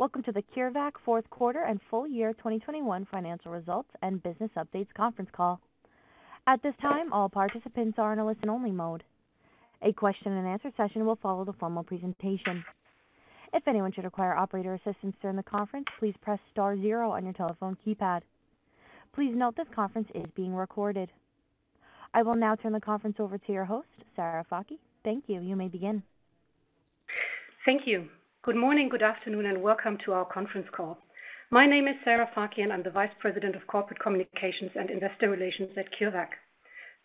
Welcome to the CureVac Fourth Quarter and Full-Year 2021 Financial Results and Business Updates conference call. At this time, all participants are in a listen-only mode. A question and answer session will follow the formal presentation. If anyone should require operator assistance during the conference, please press star zero on your telephone keypad. Please note this conference is being recorded. I will now turn the conference over to your host, Sarah Fakih. Thank you. You may begin. Thank you. Good morning, good afternoon, and welcome to our conference call. My name is Sarah Fakih, and I'm the Vice President of Corporate Communications and Investor Relations at CureVac.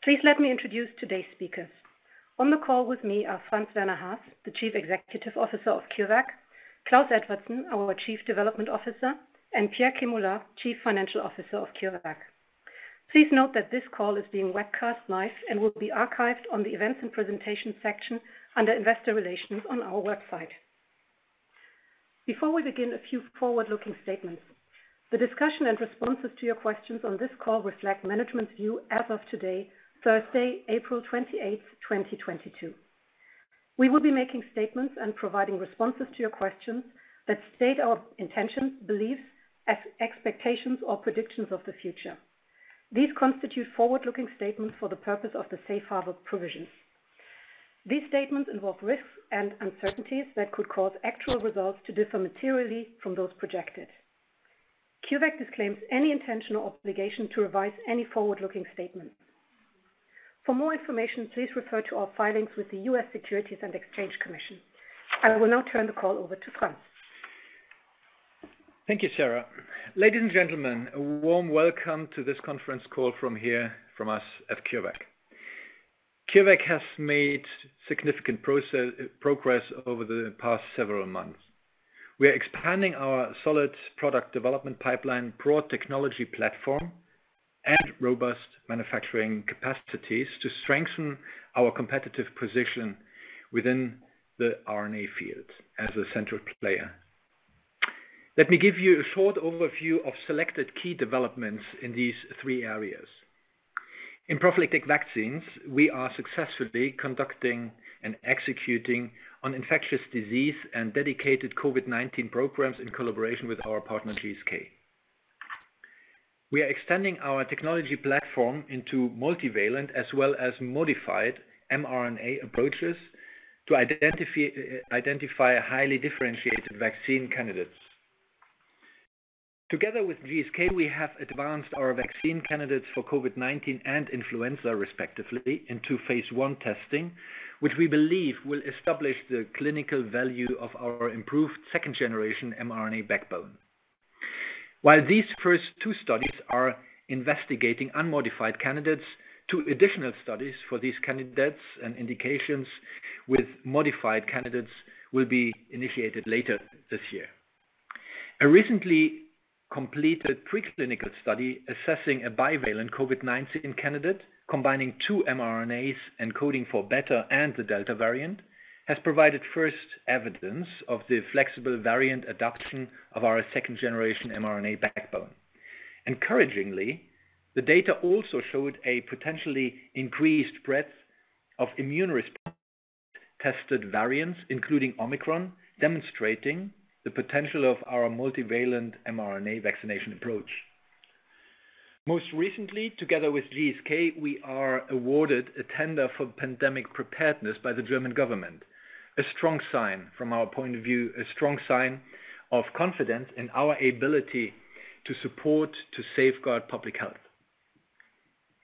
Please let me introduce today's speakers. On the call with me are Franz-Werner Haas, the Chief Executive Officer of CureVac, Klaus Edvardsen, our Chief Development Officer, and Pierre Kemula, Chief Financial Officer of CureVac. Please note that this call is being webcast live and will be archived on the Events and Presentations section under Investor Relations on our website. Before we begin, a few forward-looking statements. The discussion and responses to your questions on this call reflect management's view as of today, Thursday, April 28, 2022. We will be making statements and providing responses to your questions that state our intentions, beliefs, expectations, or predictions of the future. These constitute forward-looking statements for the purpose of the safe harbor provisions. These statements involve risks and uncertainties that could cause actual results to differ materially from those projected. CureVac disclaims any intentional obligation to revise any forward-looking statement. For more information, please refer to our filings with the U.S. Securities and Exchange Commission. I will now turn the call over to Franz. Thank you, Sarah. Ladies and gentlemen, a warm welcome to this conference call from here, from us at CureVac. CureVac has made significant progress over the past several months. We are expanding our solid product development pipeline, broad technology platform, and robust manufacturing capacities to strengthen our competitive position within the mRNA field as a central player. Let me give you a short overview of selected key developments in these three areas. In prophylactic vaccines, we are successfully conducting and executing on infectious disease and dedicated COVID-19 programs in collaboration with our partner, GSK. We are extending our technology platform into multivalent as well as modified mRNA approaches to identify highly differentiated vaccine candidates. Together with GSK, we have advanced our vaccine candidates for COVID-19 and influenza, respectively, into phase I testing, which we believe will establish the clinical value of our improved second-generation mRNA backbone. While these first two studies are investigating unmodified candidates, two additional studies for these candidates and indications with modified candidates will be initiated later this year. A recently completed preclinical study assessing a bivalent COVID-19 candidate combining two mRNAs encoding for Beta and the Delta variant, has provided first evidence of the flexible variant adaptation of our second-generation mRNA backbone. Encouragingly, the data also showed a potentially increased breadth of immune response against tested variants, including Omicron, demonstrating the potential of our multivalent mRNA vaccination approach. Most recently, together with GSK, we are awarded a tender for pandemic preparedness by the German government. A strong sign from our point of view, a strong sign of confidence in our ability to support, to safeguard public health.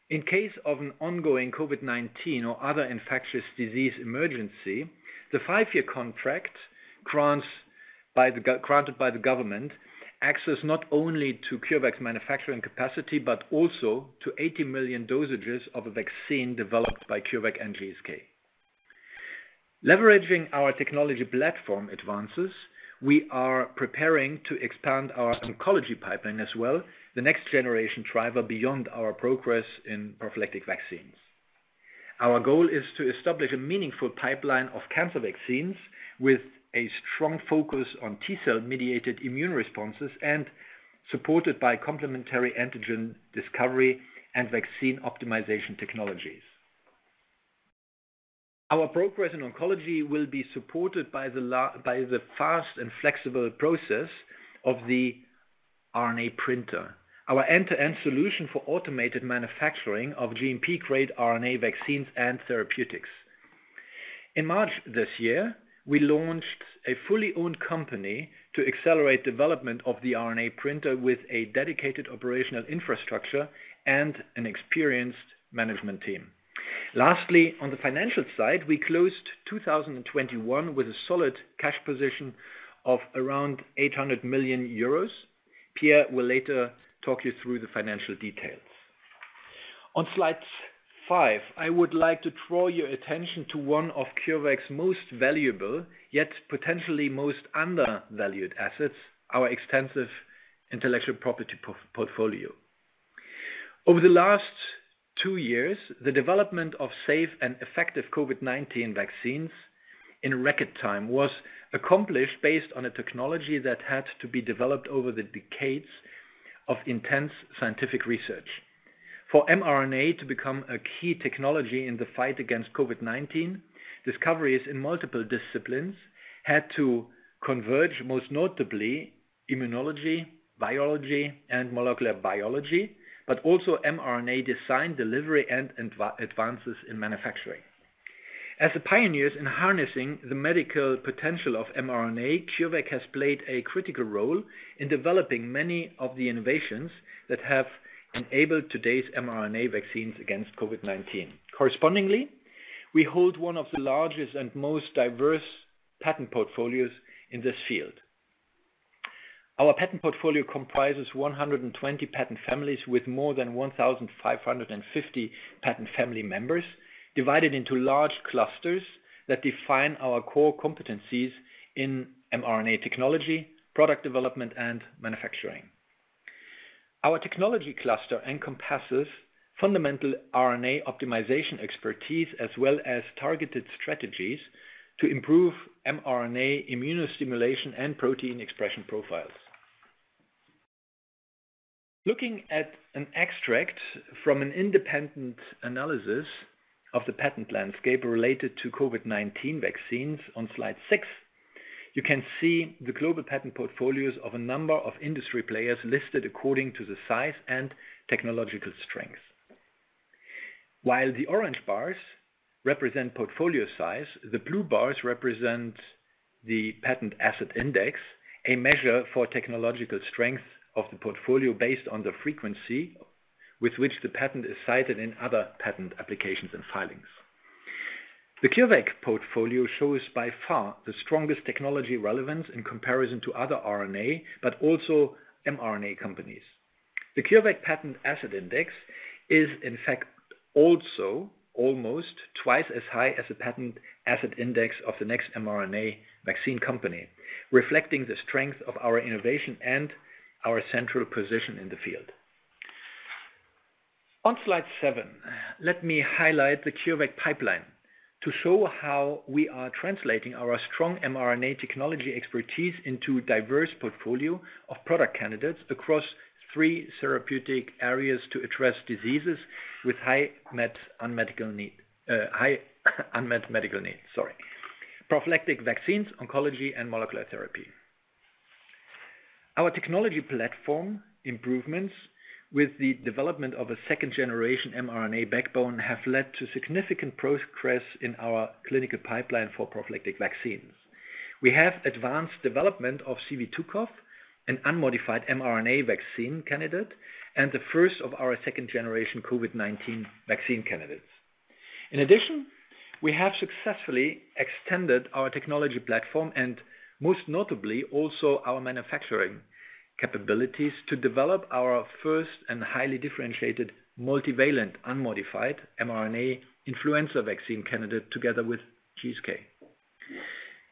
In case of an ongoing COVID-19 or other infectious disease emergency, the five-year contract granted by the government access not only to CureVac's manufacturing capacity but also to 80 million doses of a vaccine developed by CureVac and GSK. Leveraging our technology platform advances, we are preparing to expand our oncology pipeline as well as the next generation driver beyond our progress in prophylactic vaccines. Our goal is to establish a meaningful pipeline of cancer vaccines with a strong focus on T-cell mediated immune responses and supported by complementary antigen discovery and vaccine optimization technologies. Our progress in oncology will be supported by the fast and flexible process of The RNA Printer, our end-to-end solution for automated manufacturing of GMP-grade RNA vaccines and therapeutics. In March this year, we launched a fully owned company to accelerate development of The RNA Printer with a dedicated operational infrastructure and an experienced management team. Lastly, on the financial side, we closed 2021 with a solid cash position of around 800 million euros. Pierre will later talk you through the financial details. On slide 5, I would like to draw your attention to one of CureVac's most valuable, yet potentially most undervalued assets, our extensive intellectual property portfolio. Over the last two years, the development of safe and effective COVID-19 vaccines in record time was accomplished based on a technology that had to be developed over the decades of intense scientific research. For mRNA to become a key technology in the fight against COVID-19, discoveries in multiple disciplines had to converge, most notably immunology, virology, and molecular biology, but also mRNA design, delivery, and advances in manufacturing. As the pioneers in harnessing the medical potential of mRNA, CureVac has played a critical role in developing many of the innovations that have enabled today's mRNA vaccines against COVID-19. Correspondingly, we hold one of the largest and most diverse patent portfolios in this field. Our patent portfolio comprises 120 patent families with more than 1,550 patent family members, divided into large clusters that define our core competencies in RNA technology, product development, and manufacturing. Our technology cluster encompasses fundamental RNA optimization expertise as well as targeted strategies to improve mRNA immuno-stimulation and protein expression profiles. Looking at an extract from an independent analysis of the patent landscape related to COVID-19 vaccines on slide 6, you can see the global patent portfolios of a number of industry players listed according to the size and technological strength. While the orange bars represent portfolio size, the blue bars represent the Patent Asset Index, a measure for technological strength of the portfolio based on the frequency with which the patent is cited in other patent applications and filings. The CureVac portfolio shows by far the strongest technology relevance in comparison to other RNA, but also mRNA companies. The CureVac Patent Asset Index is, in fact, also almost twice as high as the Patent Asset Index of the next mRNA vaccine company, reflecting the strength of our innovation and our central position in the field. On slide 7, let me highlight the CureVac pipeline to show how we are translating our strong mRNA technology expertise into diverse portfolio of product candidates across three therapeutic areas to address diseases with high unmet medical needs: prophylactic vaccines, oncology, and molecular therapy. Our technology platform improvements with the development of a second-generation mRNA backbone have led to significant progress in our clinical pipeline for prophylactic vaccines. We have advanced development of CV2CoV, an unmodified mRNA vaccine candidate, and the first of our second-generation COVID-19 vaccine candidates. In addition, we have successfully extended our technology platform and most notably, also our manufacturing capabilities to develop our first and highly differentiated multivalent, unmodified mRNA influenza vaccine candidate together with GSK.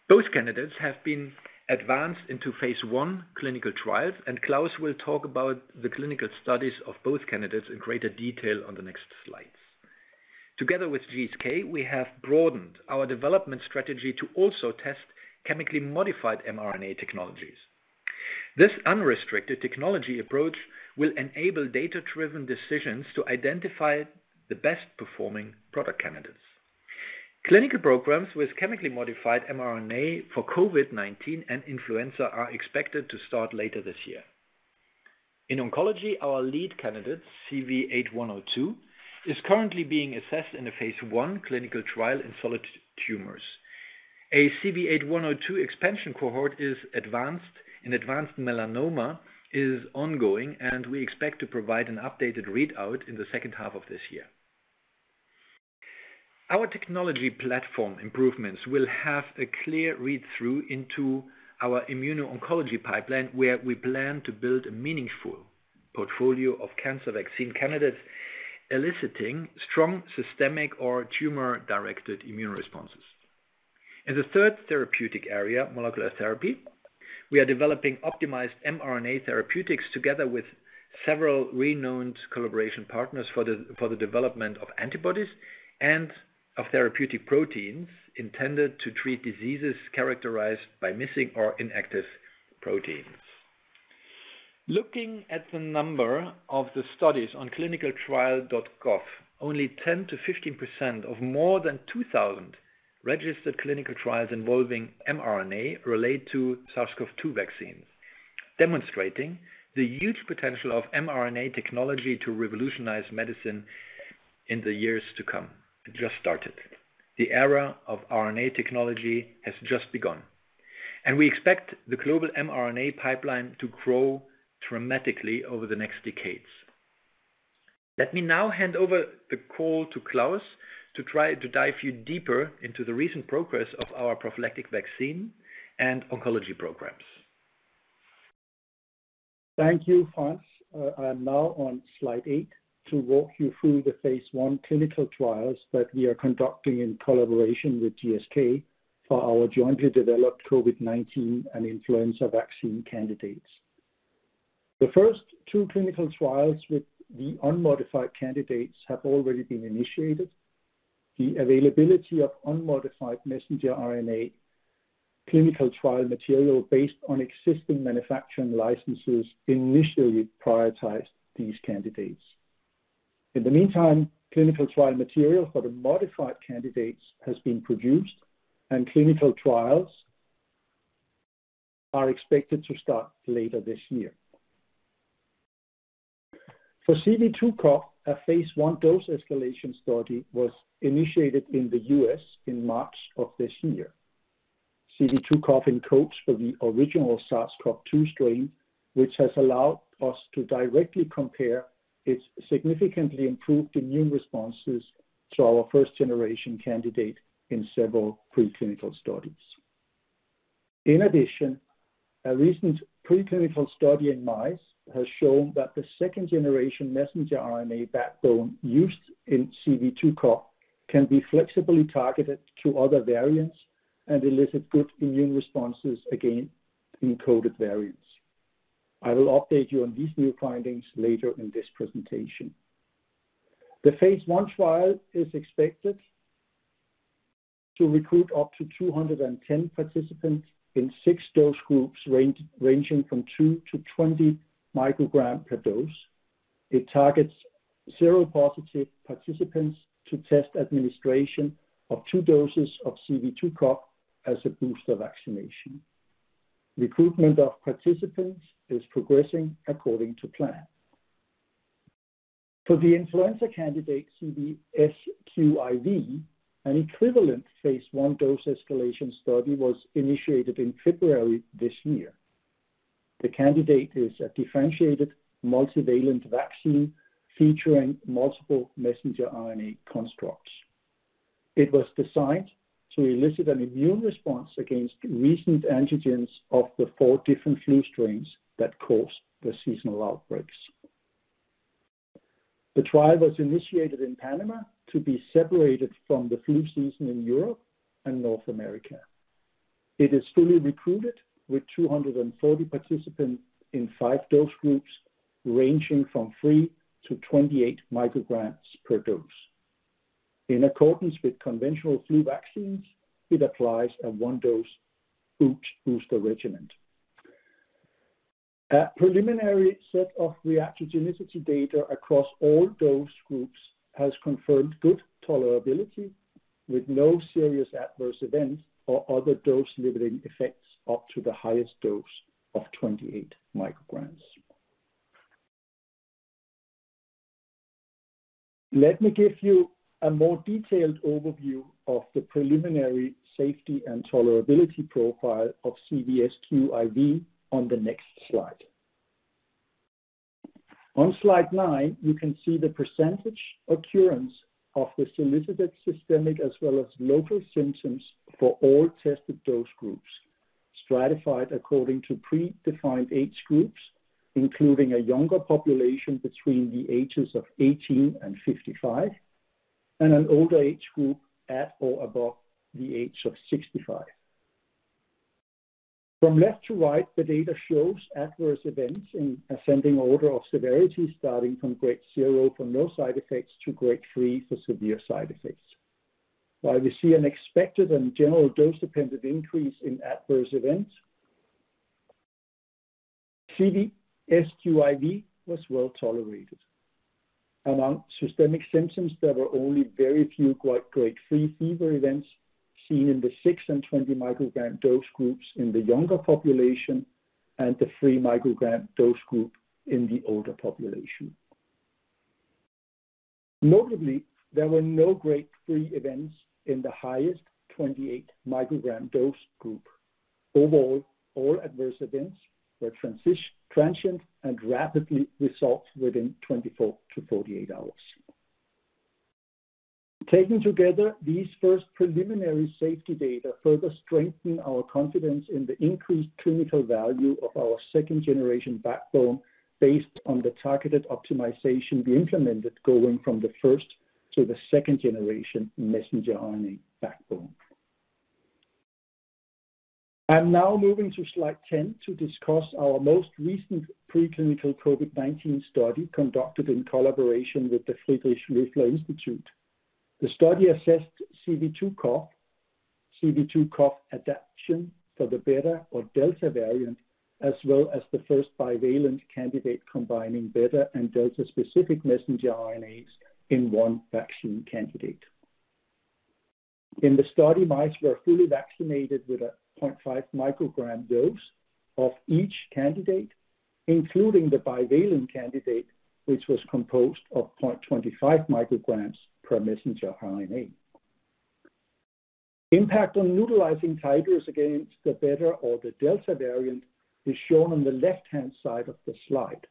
Both candidates have been advanced into phase I clinical trials, and Klaus will talk about the clinical studies of both candidates in greater detail on the next slides. Together with GSK, we have broadened our development strategy to also test chemically modified mRNA technologies. This unrestricted technology approach will enable data-driven decisions to identify the best-performing product candidates. Clinical programs with chemically modified mRNA for COVID-19 and influenza are expected to start later this year. In oncology, our lead candidate, CV8102, is currently being assessed in a phase I clinical trial in solid tumors. A CV8102 expansion cohort in advanced melanoma is ongoing, and we expect to provide an updated readout in the second half of this year. Our technology platform improvements will have a clear read-through into our immuno-oncology pipeline, where we plan to build a meaningful portfolio of cancer vaccine candidates, eliciting strong systemic or tumor-directed immune responses. In the third therapeutic area, molecular therapy, we are developing optimized mRNA therapeutics together with several renowned collaboration partners for the development of antibodies and of therapeutic proteins intended to treat diseases characterized by missing or inactive proteins. Looking at the number of the studies on ClinicalTrials.gov, only 10%-15% of more than 2,000 registered clinical trials involving mRNA relate to SARS-CoV-2 vaccines, demonstrating the huge potential of mRNA technology to revolutionize medicine in the years to come. It just started. The era of RNA technology has just begun, and we expect the global mRNA pipeline to grow dramatically over the next decades. Let me now hand over the call to Klaus to try to dive you deeper into the recent progress of our prophylactic vaccine and oncology programs. Thank you, Franz. I'm now on slide 8 to walk you through the phase I clinical trials that we are conducting in collaboration with GSK for our jointly developed COVID-19 and influenza vaccine candidates. The first two clinical trials with the unmodified candidates have already been initiated. The availability of unmodified mRNA clinical trial material based on existing manufacturing licenses initially prioritized these candidates. In the meantime, clinical trial material for the modified candidates has been produced, and clinical trials are expected to start later this year. For CV2CoV, a phase I dose-escalation study was initiated in the U.S. in March of this year. CV2CoV encodes for the original SARS-CoV-2 strain, which has allowed us to directly compare its significantly improved immune responses to our first-generation candidate in several preclinical studies. In addition, a recent preclinical study in mice has shown that the second-generation mRNA backbone used in CV2CoV can be flexibly targeted to other variants and elicit good immune responses against encoded variants. I will update you on these new findings later in this presentation. The phase I trial is expected to recruit up to 210 participants in six dose groups ranging from 2 to 20 microgram per dose. It targets seropositive participants to test administration of two doses of CV2CoV as a booster vaccination. Recruitment of participants is progressing according to plan. For the influenza candidate, CVSQIV, an equivalent phase I dose-escalation study was initiated in February this year. The candidate is a differentiated multivalent vaccine featuring multiple mRNA constructs. It was designed to elicit an immune response against recent antigens of the four different flu strains that caused the seasonal outbreaks. The trial was initiated in Panama to be separated from the flu season in Europe and North America. It is fully recruited with 240 participants in five dose groups, ranging from 3 to 28 micrograms per dose. In accordance with conventional flu vaccines, it applies a one-dose booster regimen. A preliminary set of reactogenicity data across all dose groups has confirmed good tolerability with no serious adverse events or other dose-limiting effects up to the highest dose of 28 micrograms. Let me give you a more detailed overview of the preliminary safety and tolerability profile of CVSQIV on the next slide. On slide nine, you can see the percentage occurrence of the solicited systemic as well as local symptoms for all tested dose groups, stratified according to predefined age groups, including a younger population between the ages of 18 and 55, and an older age group at or above the age of 65. From left to right, the data shows adverse events in ascending order of severity, starting from grade 0 for no side effects to grade 3 for severe side effects. While we see an expected and general dose-dependent increase in adverse events, CVSQIV was well-tolerated. Among systemic symptoms, there were only very few grade 3 fever events seen in the 6 and 20 microgram dose groups in the younger population and the 3 microgram dose group in the older population. Notably, there were no grade 3 events in the highest 28 microgram dose group. Overall, all adverse events were transient and rapidly resolved within 24-48 hours. Taken together, these first preliminary safety data further strengthen our confidence in the increased clinical value of our second-generation backbone based on the targeted optimization we implemented going from the first to the second-generation mRNA backbone. I'm now moving to slide 10 to discuss our most recent preclinical COVID-19 study conducted in collaboration with the Friedrich-Loeffler-Institut. The study assessed CV2CoV adaptation for the Beta or Delta variant, as well as the first bivalent candidate combining Beta-and Delta-specific mRNAs in one vaccine candidate. In the study, mice were fully vaccinated with a 0.5 microgram dose of each candidate, including the bivalent candidate, which was composed of 0.25 micrograms per mRNA. Impact on neutralizing titers against the Beta or the Delta variant is shown on the left-hand side of the slide.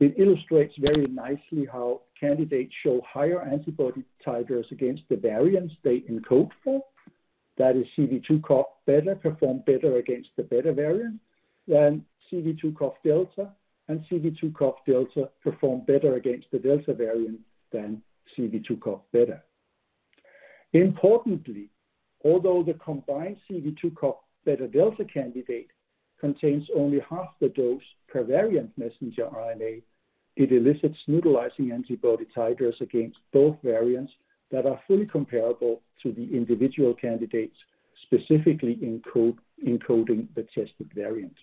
It illustrates very nicely how candidates show higher antibody titers against the variants they encode for. That is CV2CoV-Beta performed better against the Beta variant than CV2CoV Delta, and CV2CoV Delta performed better against the Delta variant than CV2CoV-Beta. Importantly, although the combined CV2CoV-Beta/Delta candidate contains only half the dose per variant mRNA. It elicits neutralizing antibody titers against both variants that are fully comparable to the individual candidates, specifically encoding the tested variant.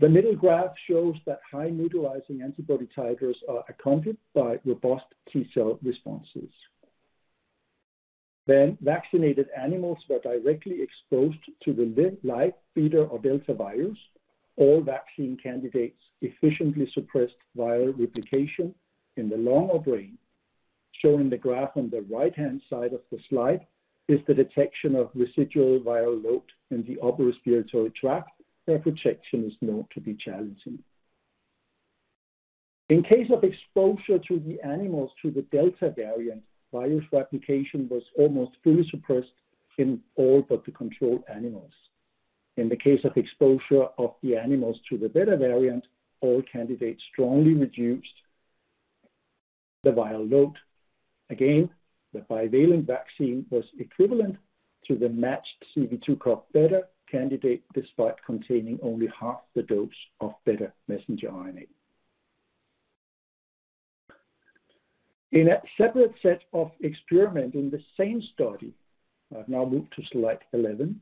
The middle graph shows that high neutralizing antibody titers are accompanied by robust T cell responses. Vaccinated animals were directly exposed to the live Beta or Delta virus. All vaccine candidates efficiently suppressed viral replication in the lung or brain. Showing the graph on the right-hand side of the slide is the detection of residual viral load in the upper respiratory tract, where protection is known to be challenging. In case of exposure to the animals to the Delta variant, virus replication was almost fully suppressed in all but the control animals. In the case of exposure of the animals to the Beta variant, all candidates strongly reduced the viral load. Again, the bivalent vaccine was equivalent to the matched CV2CoV-Beta candidate, despite containing only half the dose of Beta mRNA. In a separate set of experiment in the same study, I've now moved to slide 11,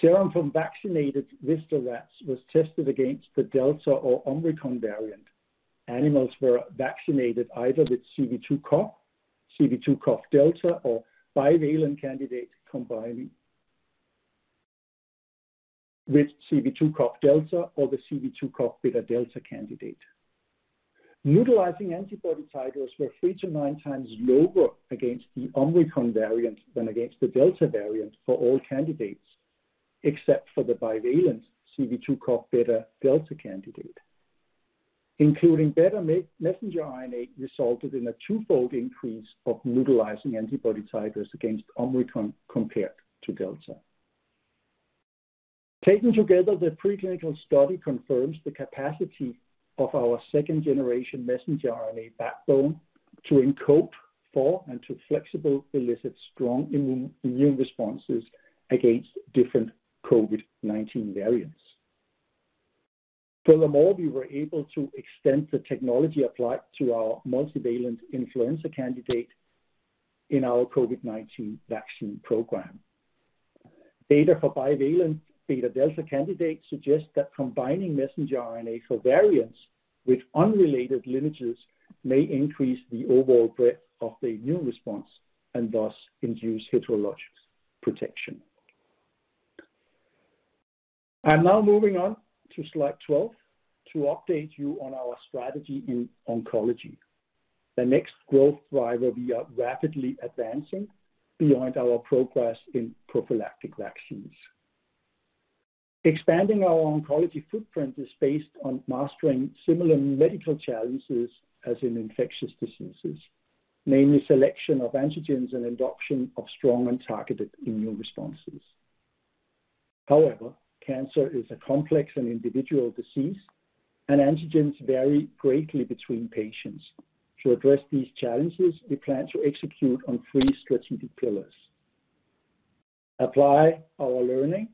serum from vaccinated Wistar rats was tested against the Delta or Omicron variant. Animals were vaccinated either with CV2CoV, CV2CoV-Delta or bivalent candidate combining with CV2CoV with CV2CoV-Delta or the CV2CoV-Beta/Delta candidate. Neutralizing antibody titers were 3-9 times lower against the Omicron variant than against the Delta variant for all candidates, except for the bivalent CV2CoV-Beta/Delta candidate. Including Beta mRNA resulted in a two-fold increase of neutralizing antibody titers against Omicron compared to Delta. Taken together, the preclinical study confirms the capacity of our second-generation mRNA backbone to encode for and to flexibly elicit strong immune responses against different COVID-19 variants. Furthermore, we were able to extend the technology applied to our multivalent influenza candidate in our COVID-19 vaccine program. Data for bivalent Beta/Delta candidate suggests that combining mRNA for variants with unrelated lineages may increase the overall breadth of the immune response and thus induce heterologous protection. I'm now moving on to slide 12 to update you on our strategy in oncology. The next growth driver we are rapidly advancing beyond our progress in prophylactic vaccines. Expanding our oncology footprint is based on mastering similar medical challenges as in infectious diseases, namely selection of antigens and induction of strong and targeted immune responses. However, cancer is a complex and individual disease, and antigens vary greatly between patients. To address these challenges, we plan to execute on three strategic pillars. Apply our learning,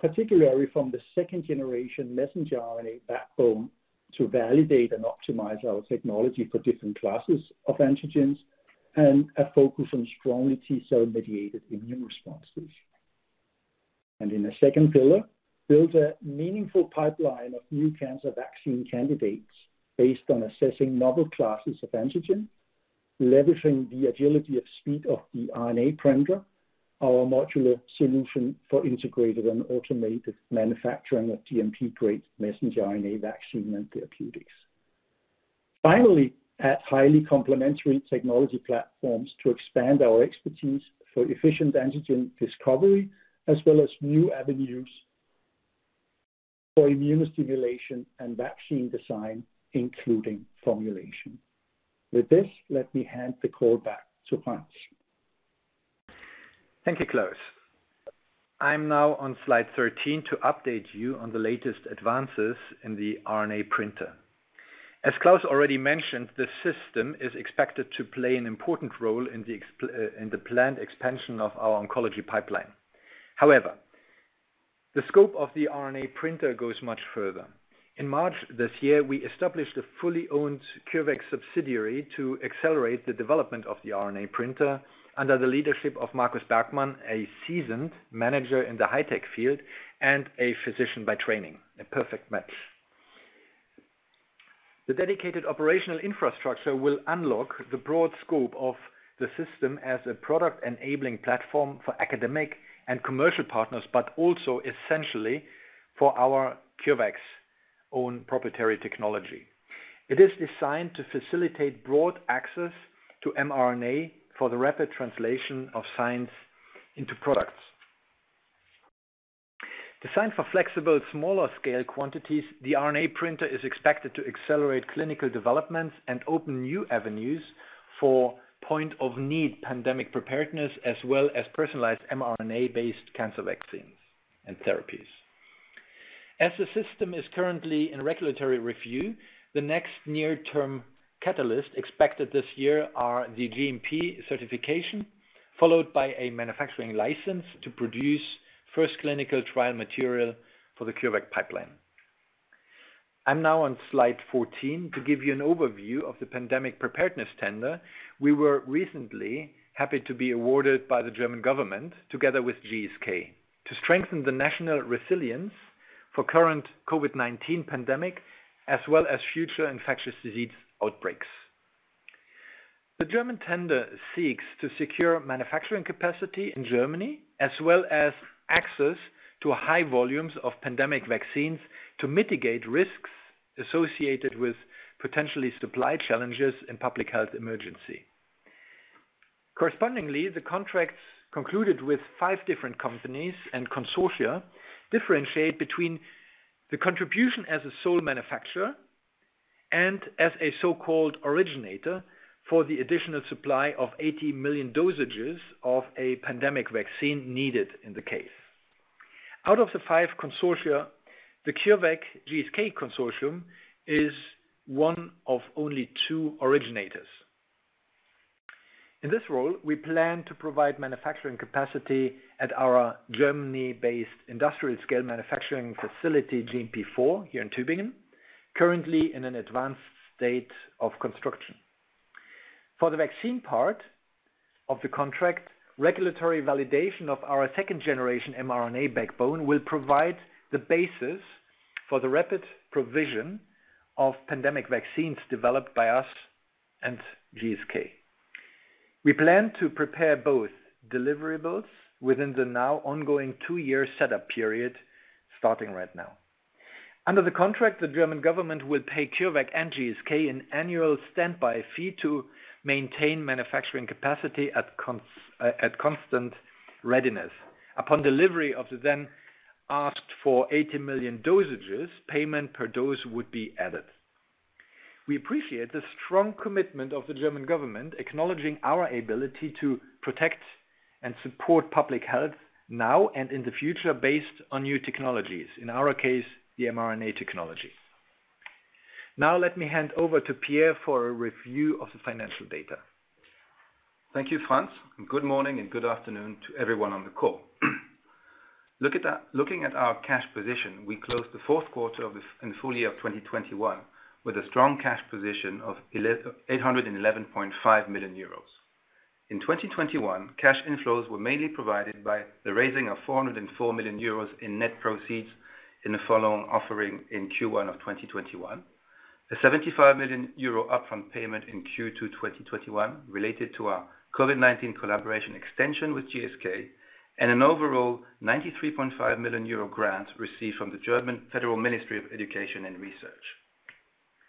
particularly from the second-generation mRNA backbone, to validate and optimize our technology for different classes of antigens and a focus on strongly T cell-mediated immune responses. In a second pillar, build a meaningful pipeline of new cancer vaccine candidates based on assessing novel classes of antigen, leveraging the agility and speed of The RNA Printer, our modular solution for integrated and automated manufacturing of GMP-grade mRNA vaccine and therapeutics. Finally, add highly complementary technology platforms to expand our expertise for efficient antigen discovery, as well as new avenues for immune stimulation and vaccine design, including formulation. With this, let me hand the call back to Franz. Thank you, Klaus. I'm now on slide 13 to update you on the latest advances in The RNA Printer. As Klaus already mentioned, the system is expected to play an important role in the planned expansion of our oncology pipeline. However, the scope of The RNA Printer goes much further. In March this year, we established a fully owned CureVac subsidiary to accelerate the development of The RNA Printer under the leadership of Markus Bergmann, a seasoned manager in the high-tech field and a physician by training. A perfect match. The dedicated operational infrastructure will unlock the broad scope of the system as a product-enabling platform for academic and commercial partners, but also essentially for our CureVac's own proprietary technology. It is designed to facilitate broad access to mRNA for the rapid translation of science into products. Designed for flexible smaller-scale quantities, The RNA Printer is expected to accelerate clinical developments and open new avenues for point-of-need pandemic preparedness, as well as personalized mRNA-based cancer vaccines and therapies. As the system is currently in regulatory review, the next near-term catalyst expected this year are GMP certification, followed by a manufacturing license to produce first clinical trial material for the CureVac pipeline. I'm now on slide 14 to give you an overview of the pandemic preparedness tender. We were recently happy to be awarded by the German government, together with GSK, to strengthen the national resilience for current COVID-19 pandemic as well as future infectious disease outbreaks. The German tender seeks to secure manufacturing capacity in Germany as well as access to high volumes of pandemic vaccines to mitigate risks associated with potential supply challenges in public health emergency. Correspondingly, the contracts concluded with five different companies and consortia differentiate between the contribution as a sole manufacturer and as a so-called originator for the additional supply of 80 million doses of a pandemic vaccine needed in the case. Out of the five consortia, the CureVac/GSK consortium is one of only two originators. In this role, we plan to provide manufacturing capacity at our Germany-based industrial-scale manufacturing facility, GMP IV here in Tübingen, currently in an advanced state of construction. For the vaccine part of the contract, regulatory validation of our second-generation mRNA backbone will provide the basis for the rapid provision of pandemic vaccines developed by us and GSK. We plan to prepare both deliverables within the now ongoing two-year setup period starting right now. Under the contract, the German government will pay CureVac and GSK an annual standby fee to maintain manufacturing capacity at constant readiness. Upon delivery of the then asked for 80 million doses, payment per dose would be added. We appreciate the strong commitment of the German government acknowledging our ability to protect and support public health now and in the future based on new technologies, in our case, the mRNA technology. Now let me hand over to Pierre for a review of the financial data. Thank you, Franz, and good morning and good afternoon to everyone on the call. Looking at our cash position, we closed the fourth quarter and full year of 2021 with a strong cash position of 811.5 million euros. In 2021, cash inflows were mainly provided by the raising of 404 million euros in net proceeds in the follow-on offering in Q1 of 2021. A 75 million euro upfront payment in Q2 2021 related to our COVID-19 collaboration extension with GSK and an overall 93.5 million euro grant received from the German Federal Ministry of Education and Research.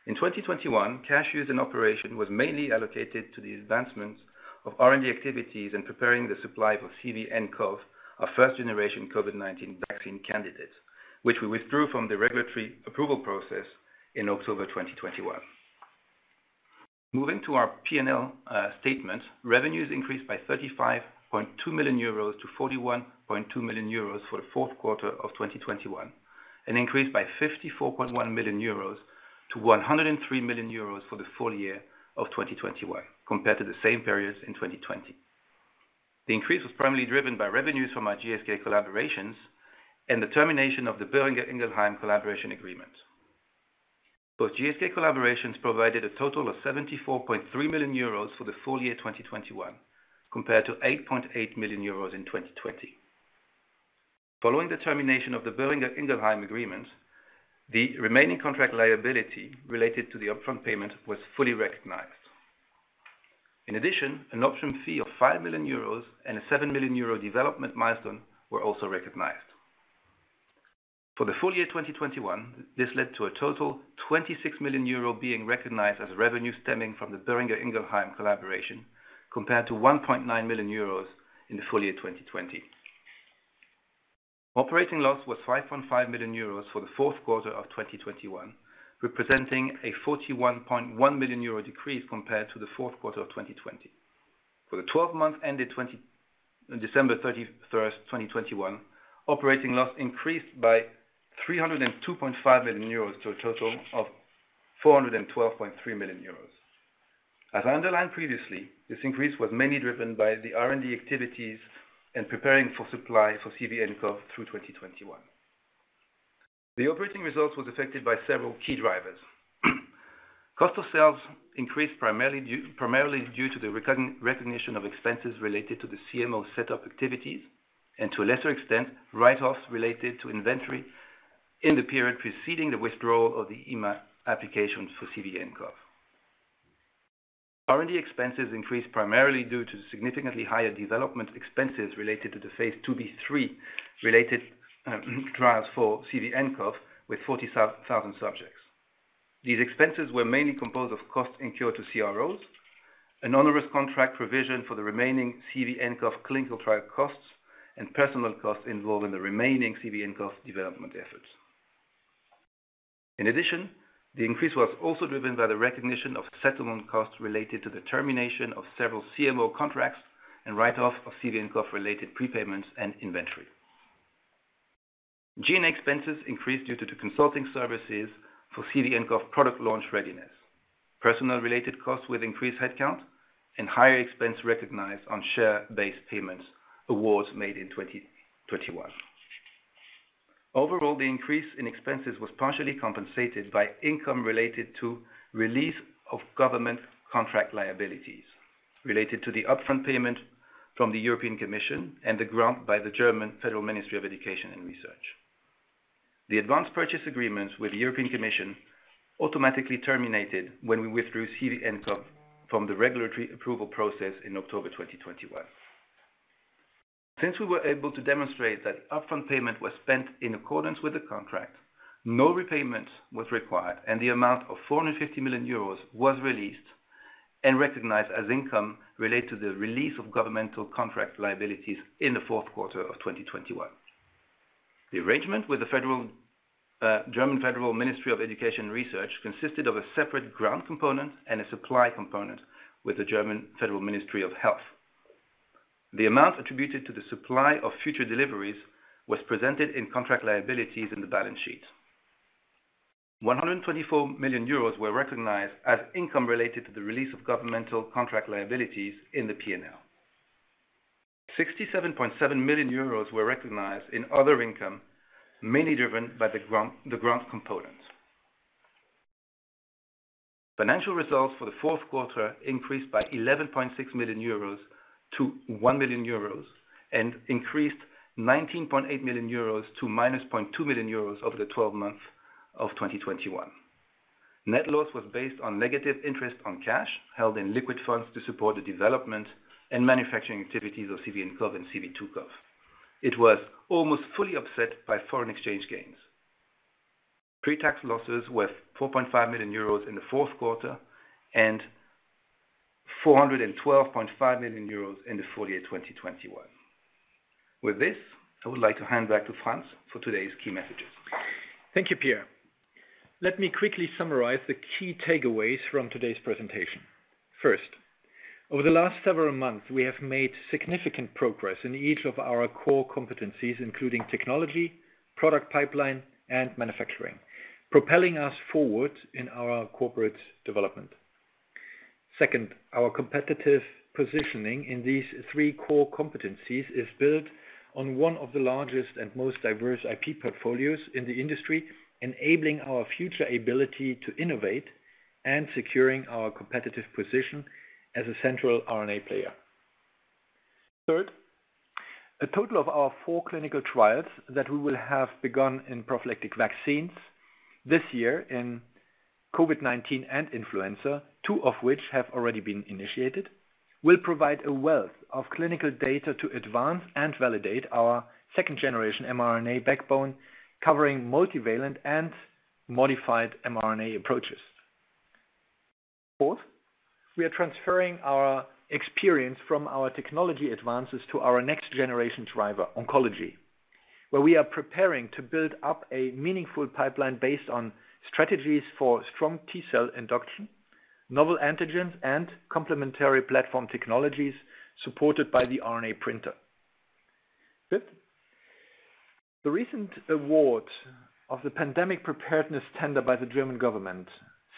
In 2021, cash used in operations was mainly allocated to the advancements of R&D activities in preparing the supply for CVnCoV, our first-generation COVID-19 vaccine candidate, which we withdrew from the regulatory approval process in October 2021. Moving to our P&L statement, revenues increased by 35.2 million euros to 41.2 million euros for the fourth quarter of 2021, and increased by 54.1 million euros to 103.0 million euros for the full year of 2021 compared to the same periods in 2020. The increase was primarily driven by revenues from our GSK collaborations and the termination of the Boehringer Ingelheim collaboration agreement. Both GSK collaborations provided a total of 74.3 million euros for the full year 2021 compared to 8.8 million euros in 2020. Following the termination of the Boehringer Ingelheim agreement, the remaining contract liability related to the upfront payment was fully recognized. In addition, an option fee of 5 million euros and a 7 million euro development milestone were also recognized. For the full year 2021, this led to a total 26.0 million euro being recognized as revenue stemming from the Boehringer Ingelheim collaboration compared to 1.9 million euros in the full year 2020. Operating loss was 5.5 million euros for the fourth quarter of 2021, representing a 41.1 million euro decrease compared to the fourth quarter of 2020. For the twelve months ended December 31, 2021, operating loss increased by 302.5 million euros to a total of 412.3 million euros. As underlined previously, this increase was mainly driven by the R&D activities in preparing for supply for CVnCoV through 2021. The operating result was affected by several key drivers. Cost of sales increased primarily due to the recognition of expenses related to the CMO setup activities and to a lesser extent, write-offs related to inventory in the period preceding the withdrawal of the EMA application for CVnCoV. R&D expenses increased primarily due to significantly higher development expenses related to the phase IIb/III related trials for CVnCoV with 40,000 subjects. These expenses were mainly composed of costs incurred to CROs, an onerous contract provision for the remaining CVnCoV clinical trial costs, and personnel costs involved in the remaining CVnCoV development efforts. In addition, the increase was also driven by the recognition of settlement costs related to the termination of several CMO contracts and write-off of CVnCoV-related prepayments and inventory. G&A expenses increased due to the consulting services for CVnCoV product launch readiness, personnel related costs with increased headcount, and higher expense recognized on share-based payment awards made in 2021. Overall, the increase in expenses was partially compensated by income related to release of government contract liabilities related to the upfront payment from the European Commission and the grant by the German Federal Ministry of Education and Research. The Advanced Purchase Agreement with the European Commission automatically terminated when we withdrew CVnCoV from the regulatory approval process in October 2021. Since we were able to demonstrate that upfront payment was spent in accordance with the contract, no repayment was required, and the amount of 450 million euros was released and recognized as income related to the release of governmental contract liabilities in the fourth quarter of 2021. The arrangement with the German Federal Ministry of Education and Research consisted of a separate grant component and a supply component with the German Federal Ministry of Health. The amount attributed to the supply of future deliveries was presented in contract liabilities in the balance sheet. 124 million euros were recognized as income related to the release of governmental contract liabilities in the P&L. 67.7 million euros were recognized in other income, mainly driven by the grant, the grant component. Financial results for the fourth quarter increased by 11.6 million euros to 1.0 million euros and increased 19.8 million euros to -0.2 million euros over the 12 months of 2021. Net loss was based on negative interest on cash held in liquid funds to support the development and manufacturing activities of CVnCoV and CV2CoV. It was almost fully offset by foreign exchange gains. Pre-tax losses were 4.5 million euros in the fourth quarter and 412.5 million euros in the full year 2021. With this, I would like to hand back to Franz for today's key messages. Thank you, Pierre. Let me quickly summarize the key takeaways from today's presentation. First, over the last several months, we have made significant progress in each of our core competencies, including technology, product pipeline, and manufacturing, propelling us forward in our corporate development. Second, our competitive positioning in these three core competencies is built on one of the largest and most diverse IP portfolios in the industry, enabling our future ability to innovate and securing our competitive position as a central RNA player. Third, a total of our four clinical trials that we will have begun in prophylactic vaccines this year in COVID-19 and influenza, two of which have already been initiated, will provide a wealth of clinical data to advance and validate our second-generation mRNA backbone covering multivalent and modified mRNA approaches. Fourth, we are transferring our experience from our technology advances to our next generation driver, oncology, where we are preparing to build up a meaningful pipeline based on strategies for strong T-cell induction, novel antigens and complementary platform technologies supported by The RNA printer. Fifth, the recent award of the Pandemic Preparedness Tender by the German government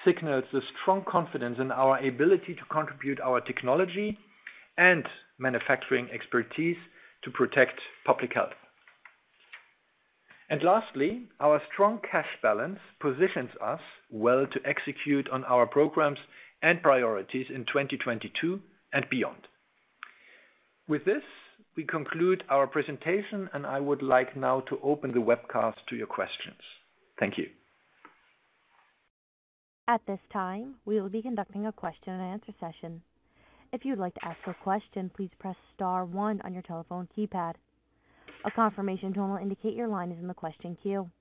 signals the strong confidence in our ability to contribute our technology and manufacturing expertise to protect public health. Lastly, our strong cash balance positions us well to execute on our programs and priorities in 2022 and beyond. With this, we conclude our presentation, and I would like now to open the webcast to your questions. Thank you. At this time, we will be conducting a question and answer session. If you'd like to ask a question, please press star one on your telephone keypad. A confirmation tone will indicate your line is in the question queue.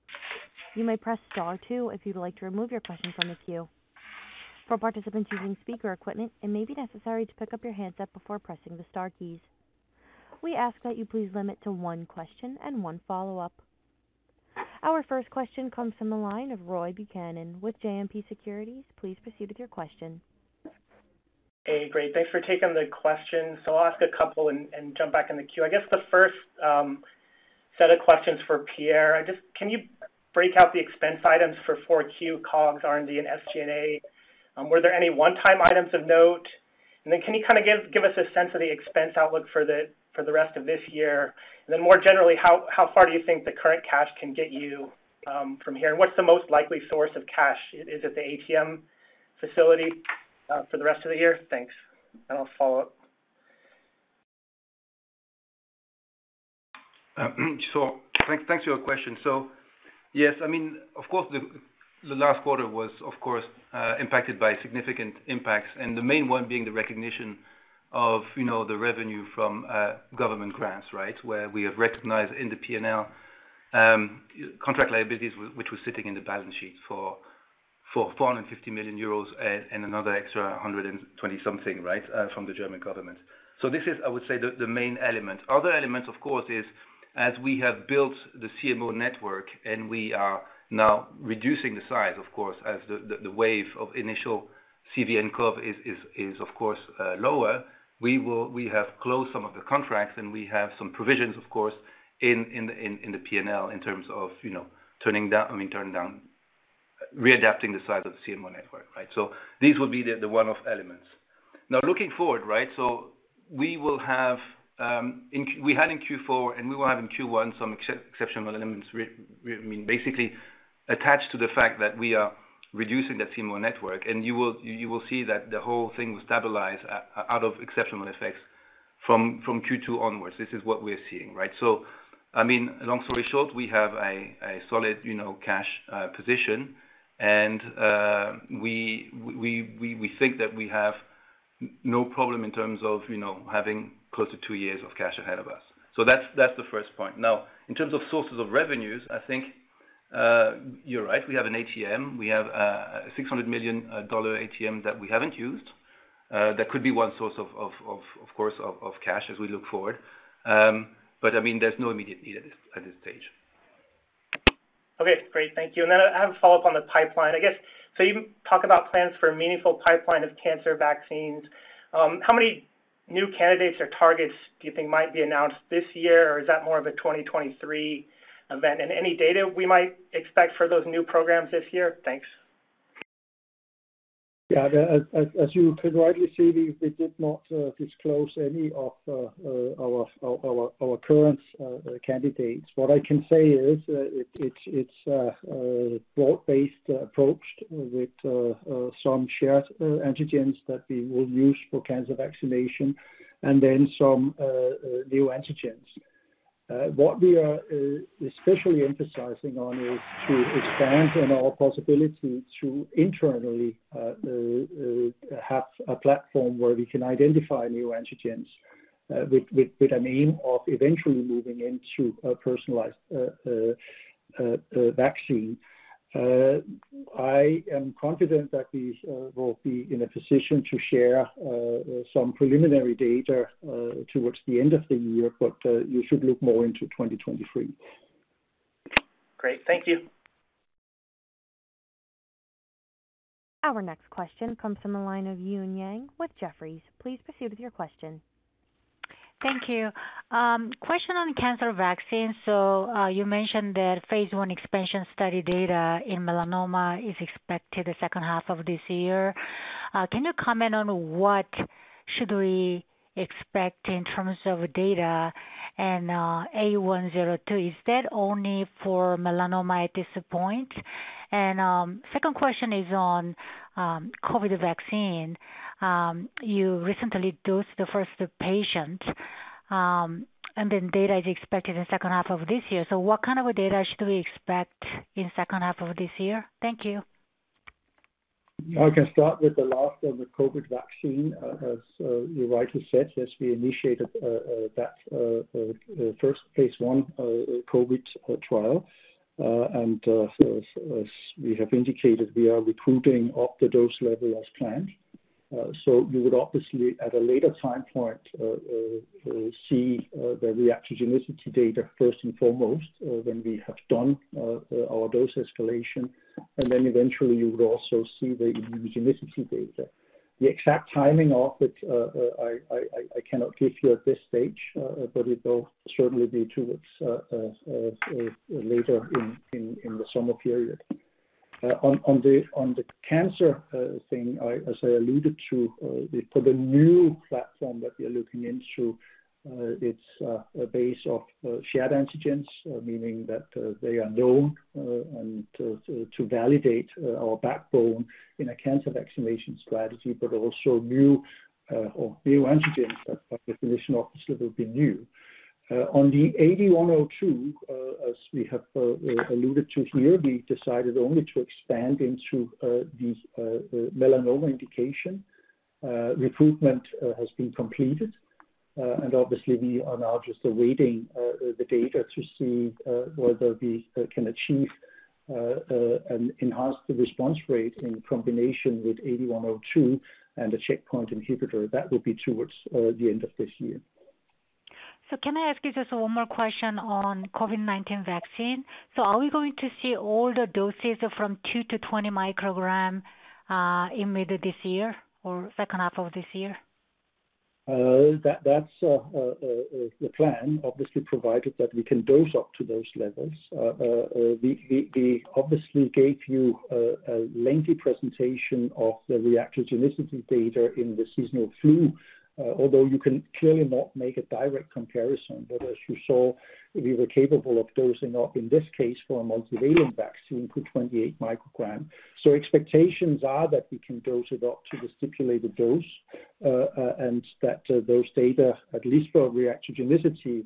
You may press star two if you'd like to remove your question from the queue. For participants using speaker equipment, it may be necessary to pick up your handset before pressing the star keys. We ask that you please limit to one question and one follow-up. Our first question comes from the line of Roy Buchanan with JMP Securities. Please proceed with your question. Hey, great. Thanks for taking the question. I'll ask a couple and jump back in the queue. I guess the first set of questions for Pierre. Just can you break out the expense items for 4Q COGS, R&D, and SG&A? Were there any one-time items of note? And then can you kind of give us a sense of the expense outlook for the rest of this year? And then more generally, how far do you think the current cash can get you from here? And what's the most likely source of cash? Is it the ATM facility for the rest of the year? Thanks. I'll follow up. Thanks for your question. Yes, I mean, of course, the last quarter was of course impacted by significant impacts and the main one being the recognition of, you know, the revenue from government grants, right? Where we have recognized in the P&L contract liabilities which was sitting in the balance sheet for 450 million euros and another extra 120-something million, right, from the German government. This is, I would say, the main element. Other elements, of course, is as we have built the CMO network and we are now reducing the size of course as the wave of initial CVnCoV is of course lower. We have closed some of the contracts and we have some provisions of course in the P&L in terms of, you know, turning down, I mean, readapting the size of the CMO network, right? These will be the one-off elements. Now looking forward, right, we had in Q4 and we will have in Q1 some exceptional elements I mean, basically attached to the fact that we are reducing that CMO network. You will see that the whole thing will stabilize out of exceptional effects from Q2 onwards. This is what we're seeing, right? I mean, long story short, we have a solid, you know, cash position. We think that we have no problem in terms of, you know, having close to two years of cash ahead of us. That's the first point. Now, in terms of sources of revenues, I think, you're right, we have an ATM. We have a $600 million ATM that we haven't used, that could be one source of cash, of course, as we look forward. I mean, there's no immediate need at this stage. Okay, great. Thank you. I have a follow-up on the pipeline, I guess. You talk about plans for a meaningful pipeline of cancer vaccines. How many new candidates or targets do you think might be announced this year, or is that more of a 2023 event? Any data we might expect for those new programs this year? Thanks. Yeah. As you can rightly see, we did not disclose any of our current candidates. What I can say is, it's a broad-based approach with some shared antigens that we will use for cancer vaccination and then some new antigens. What we are especially emphasizing on is to expand on our possibility to internally have a platform where we can identify new antigens with an aim of eventually moving into a personalized vaccine. I am confident that we will be in a position to share some preliminary data towards the end of the year, but you should look more into 2023. Great. Thank you. Our next question comes from the line of Eun Yang with Jefferies. Please proceed with your question. Thank you. Question on cancer vaccine. You mentioned that phase I expansion study data in melanoma is expected the second half of this year. Can you comment on what should we expect in terms of data and, CV8102, is that only for melanoma at this point? Second question is on, COVID-19 vaccine. You recently dosed the first patient, and then data is expected in second half of this year. What kind of data should we expect in second half of this year? Thank you. I can start with the last on the COVID vaccine. As you rightly said, yes, we initiated that first phase I COVID trial. As we have indicated, we are recruiting up the dose level as planned. You would obviously at a later time point see the reactogenicity data first and foremost when we have done our dose-escalation, and then eventually you would also see the immunogenicity data. The exact timing of it I cannot give you at this stage, but it will certainly be towards later in the summer period. On the cancer thing, as I alluded to, for the new platform that we are looking into, it's based on shared antigens, meaning that they are known and to validate our backbone in a cancer vaccination strategy, but also new antigens by definition obviously will be new. On the CV8102, as we have alluded to here, we decided only to expand into this melanoma indication. Recruitment has been completed. Obviously we are now just awaiting the data to see whether we can achieve an enhanced response rate in combination with CV8102 and the checkpoint inhibitor. That will be towards the end of this year. Can I ask you just one more question on COVID-19 vaccine? Are we going to see all the doses from 2-20 microgram in middle this year or second half of this year? That's the plan, obviously provided that we can dose up to those levels. We obviously gave you a lengthy presentation of the reactogenicity data in the seasonal flu, although you can clearly not make a direct comparison. As you saw, we were capable of dosing up, in this case, for a multivalent vaccine to 28 microgram. Expectations are that we can dose it up to the stipulated dose, and that those data, at least for reactogenicity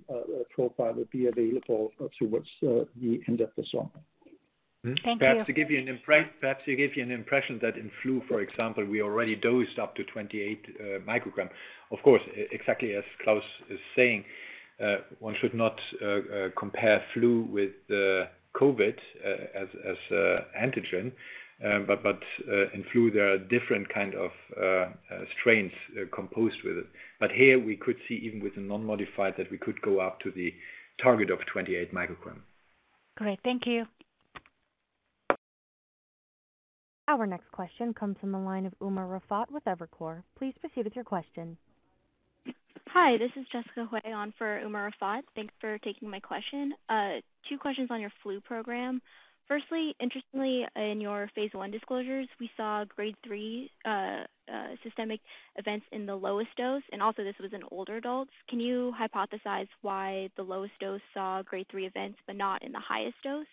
profile, will be available towards the end of the summer. Thank you. Perhaps to give you an impression that in flu, for example, we already dosed up to 28 microgram. Of course, exactly as Klaus is saying. One should not compare flu with COVID as antigen. In flu there are different kind of strains composed with it. Here we could see even with the non-modified that we could go up to the target of 28 microgram. Great. Thank you. Our next question comes from the line of Umer Raffat with Evercore. Please proceed with your question. Hi, this is Jessica Hui on for Umer Raffat. Thanks for taking my question. Two questions on your flu program. Firstly, interestingly, in your phase I disclosures, we saw grade 3 systemic events in the lowest dose, and also this was in older adults. Can you hypothesize why the lowest dose saw grade 3 events, but not in the highest dose?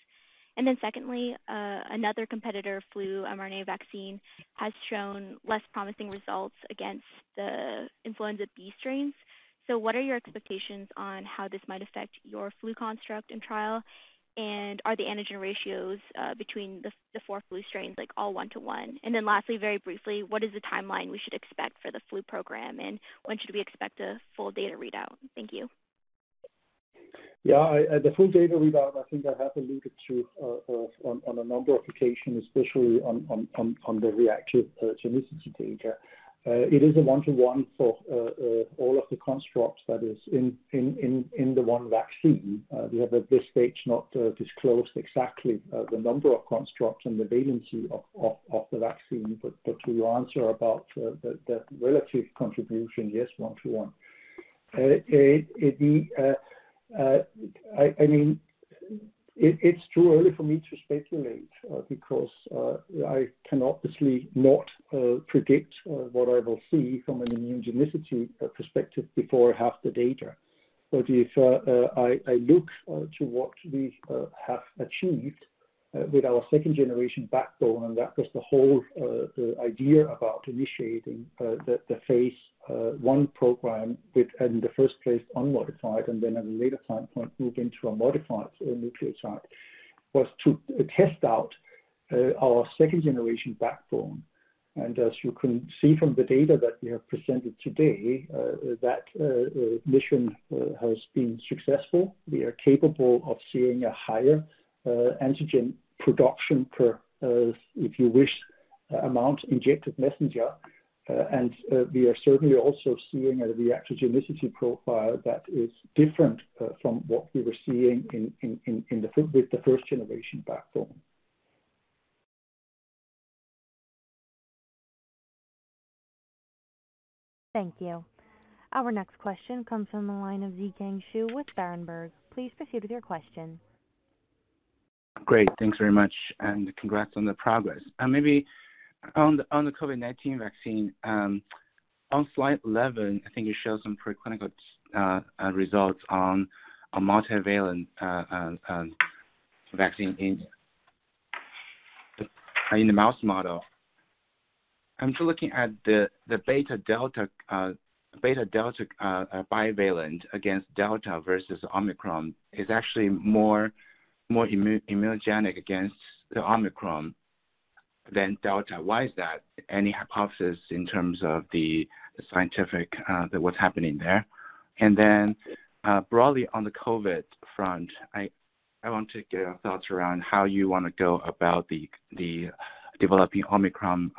Secondly, another competitor flu mRNA vaccine has shown less promising results against the influenza B strains. What are your expectations on how this might affect your flu construct and trial? Are the antigen ratios between the four flu strains like all 1-to-1? Lastly, very briefly, what is the timeline we should expect for the flu program, and when should we expect a full data readout? Thank you. The full data readout, I think I have alluded to on a number of occasions, especially on the reactogenicity immunogenicity data. It is a one-to-one for all of the constructs that is in the one vaccine. We have at this stage not disclosed exactly the number of constructs and the valency of the vaccine. To your answer about the relative contribution, yes, one to one. I mean, it's too early for me to speculate because I can obviously not predict what I will see from an immunogenicity perspective before I have the data. If I look to what we have achieved with our second-generation backbone, that was the whole idea about initiating the phase I program within the first place unmodified and then at a later time point move into a modified nucleotide, was to test out our second-generation backbone. As you can see from the data that we have presented today, that mission has been successful. We are capable of seeing a higher antigen production per, if you wish, amount injected messenger. We are certainly also seeing a reactogenicity profile that is different from what we were seeing in the first-generation backbone. Thank you. Our next question comes from the line of Zhiqiang Shu with Berenberg. Please proceed with your question. Great. Thanks very much and congrats on the progress. Maybe on the COVID-19 vaccine. On slide 11, I think you show some preclinical results on a multivalent vaccine in the mouse model. I'm still looking at the Beta Delta bivalent against Delta versus Omicron is actually more immunogenic against the Omicron than Delta. Why is that? Any hypothesis in terms of the scientific that what's happening there? Broadly on the COVID front, I want to get your thoughts around how you want to go about the developing Omicron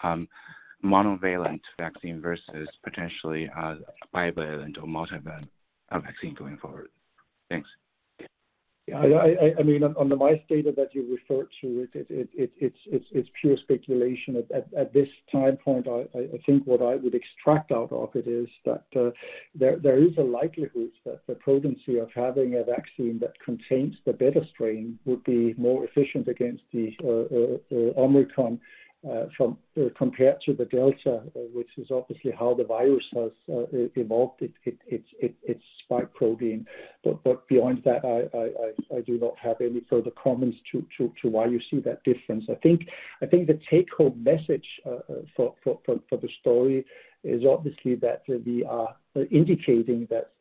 monovalent vaccine versus potentially a bivalent or multivalent vaccine going forward. Thanks. Yeah. I mean, on the mice data that you referred to, it's pure speculation. At this time point, I think what I would extract out of it is that there is a likelihood that the potency of having a vaccine that contains the Beta strain would be more efficient against the Omicron compared to the Delta, which is obviously how the virus has evolved its spike protein. But beyond that, I do not have any further comments to why you see that difference. I think the take-home message for the story is obviously that we are indicating that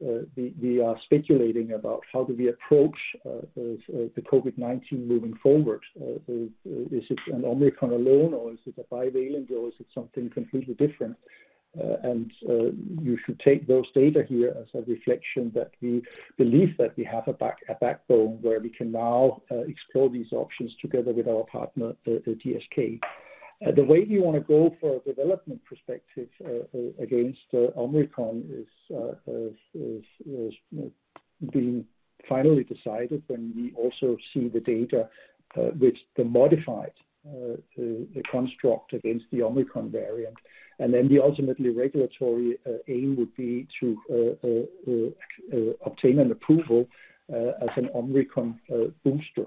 we are speculating about how do we approach the COVID-19 moving forward. Is it an Omicron alone or is it a bivalent or is it something completely different? You should take those data here as a reflection that we believe that we have a backbone where we can now explore these options together with our partner GSK. The way we wanna go for a development perspective against Omicron is being finally decided when we also see the data which the modified construct against the Omicron variant. The ultimate regulatory aim would be to obtain an approval as an Omicron booster.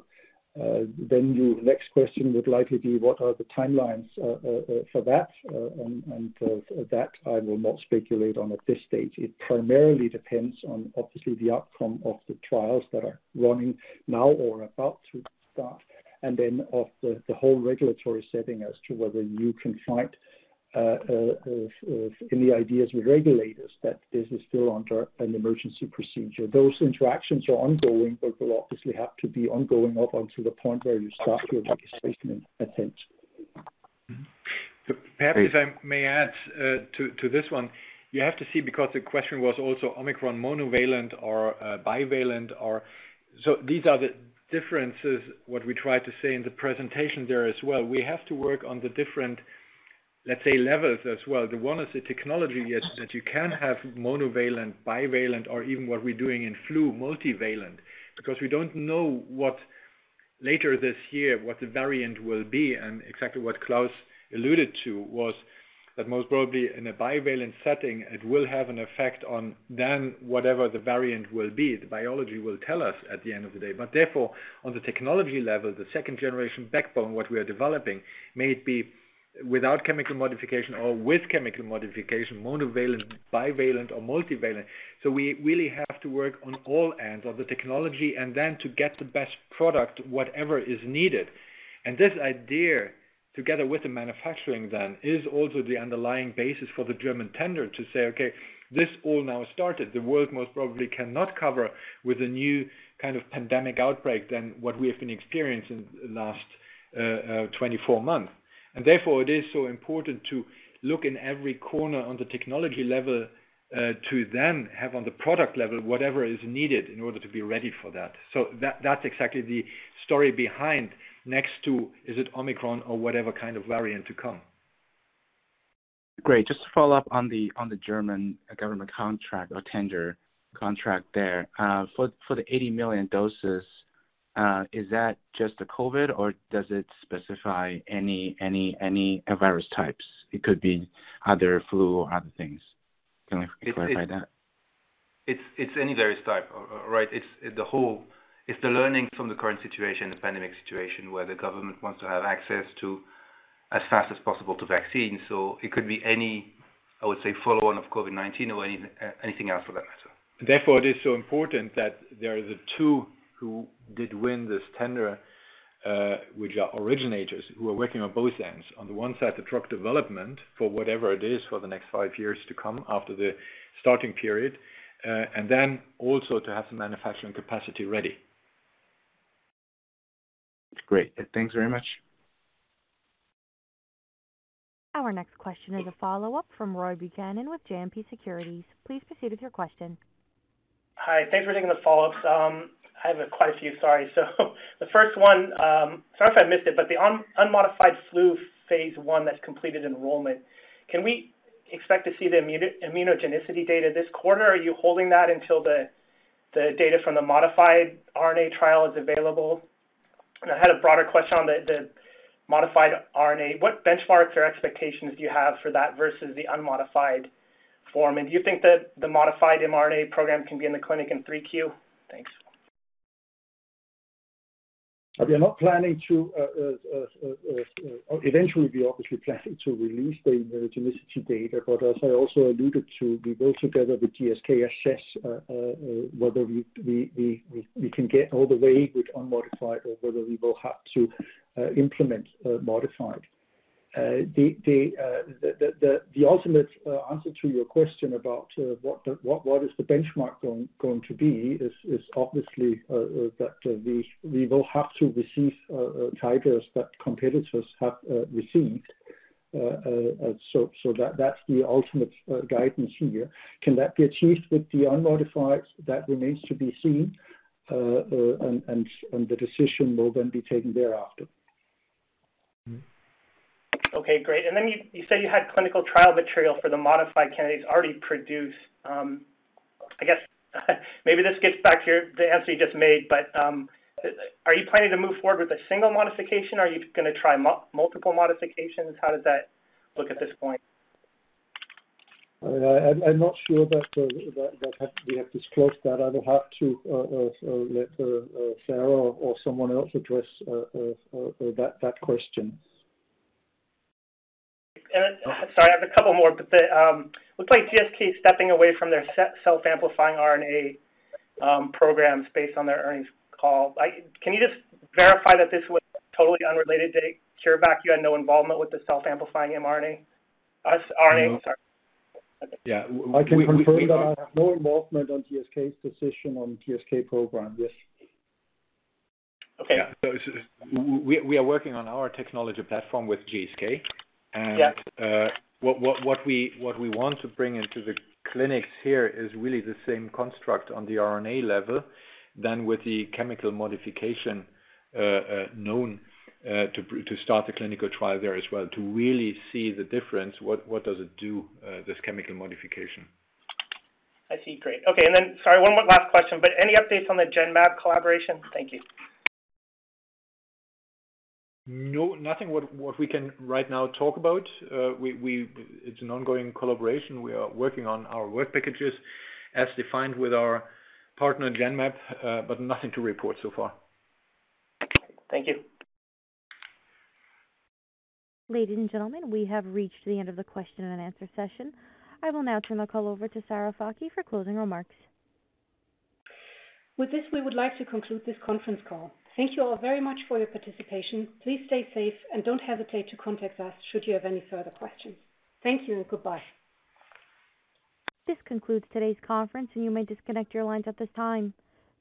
Your next question would likely be what are the timelines for that? That I will not speculate on at this stage. It primarily depends on obviously the outcome of the trials that are running now or about to start, and then of the whole regulatory setting as to whether you can find any ideas with regulators that this is still under an emergency procedure. Those interactions are ongoing, but will obviously have to be ongoing up until the point where you start your replacement attempt. Perhaps I may add to this one. You have to see because the question was also Omicron monovalent or bivalent or. These are the differences, what we tried to say in the presentation there as well. We have to work on the different, let's say, levels as well. One is the technology, yes, that you can have monovalent, bivalent, or even what we're doing in flu, multivalent. Because we don't know what later this year, what the variant will be and exactly what Klaus alluded to was that most probably in a bivalent setting, it will have an effect on then whatever the variant will be. The biology will tell us at the end of the day. Therefore, on the technology level, the second-generation backbone, what we are developing may be without chemical modification or with chemical modification, monovalent, bivalent or multivalent. We really have to work on all ends of the technology and then to get the best product, whatever is needed. This idea, together with the manufacturing then, is also the underlying basis for the German tender to say, "Okay, this all now started." The world most probably cannot cope with a new kind of pandemic outbreak than what we have been experiencing in the last 24 months. Therefore it is so important to look in every corner on the technology level to then have on the product level whatever is needed in order to be ready for that. That, that's exactly the story behind next to is it Omicron or whatever kind of variant to come. Great. Just to follow up on the German government contract or tender contract there for the 80 million doses, is that just the COVID or does it specify any virus types? It could be other flu, other things. Can you clarify that? It's any virus type, right? It's the learning from the current situation, the pandemic situation, where the government wants to have access to as fast as possible to vaccine. It could be any, I would say, follow on of COVID-19 or anything else for that matter. Therefore, it is so important that there are the two who did win this tender, which are originators who are working on both ends. On the one side, the drug development for whatever it is for the next five years to come after the starting period, and then also to have the manufacturing capacity ready. Great. Thanks very much. Our next question is a follow-up from Roy Buchanan with JMP Securities. Please proceed with your question. Hi. Thanks for taking the follow-ups. I have quite a few, sorry. The first one, sorry if I missed it, but the unmodified flu phase I that's completed enrollment, can we expect to see the immunogenicity data this quarter? Are you holding that until the data from the modified RNA trial is available? I had a broader question on the modified RNA. What benchmarks or expectations do you have for that versus the unmodified form? Do you think that the modified mRNA program can be in the clinic in 3Q? Thanks. We are not planning to. Eventually we obviously planning to release the immunogenicity data, but as I also alluded to, we work together with GSK to assess whether we can get all the way with unmodified or whether we will have to implement modified. The ultimate answer to your question about what is the benchmark going to be is obviously that we will have to receive titers that competitors have received. So that's the ultimate guidance here. Can that be achieved with the unmodified? That remains to be seen, and the decision will then be taken thereafter. Okay, great. You said you had clinical trial material for the modified candidates already produced. I guess maybe this gets back to the answer you just made, but are you planning to move forward with a single modification? Are you gonna try multiple modifications? How does that look at this point? I'm not sure that we have disclosed that. I will have to let Sarah or someone else address that question. Sorry, I have a couple more, but it looks like GSK is stepping away from their self-amplifying RNA programs based on their earnings call. Can you just verify that this was totally unrelated to CureVac? You had no involvement with the self-amplifying mRNA, saRNA, sorry. Yeah, we. I can confirm that I have no involvement on GSK's decision on GSK program. Yes. Okay. Yeah. We are working on our technology platform with GSK and what we want to bring into the clinics here is really the same construct on the RNA level than with the chemical modification known to start the clinical trial there as well, to really see the difference. What does it do, this chemical modification. I see. Great. Okay. Sorry, one more last question, but any updates on the Genmab collaboration? Thank you. No, nothing that we can right now talk about. It's an ongoing collaboration. We are working on our work packages as defined with our partner, Genmab, but nothing to report so far. Thank you. Ladies and gentlemen, we have reached the end of the question and answer session. I will now turn the call over to Sarah Fakih for closing remarks. With this, we would like to conclude this conference call. Thank you all very much for your participation. Please stay safe and don't hesitate to contact us should you have any further questions. Thank you and goodbye. This concludes today's conference, and you may disconnect your lines at this time.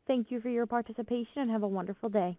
Thank you for your participation and have a wonderful day.